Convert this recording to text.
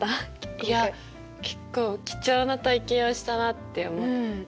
いや結構貴重な体験をしたなって思った。